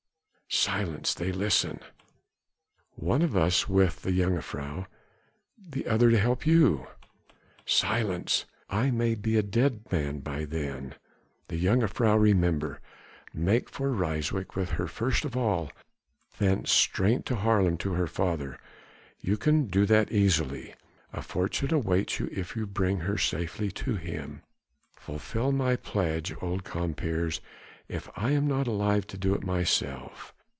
"Silence they listen...." "One of us with the jongejuffrouw the other to help you " "Silence ... I may be a dead man by then the jongejuffrouw remember make for Ryswyk with her first of all thence straight to Haarlem to her father you can do it easily. A fortune awaits you if you bring her safely to him. Fulfil my pledge, old compeers, if I am not alive to do it myself.